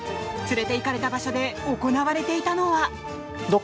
連れていかれた場所で行われていたのは。